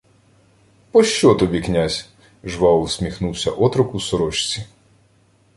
— Пощо тобі князь? — жваво всміхнувся отрок у сорочці.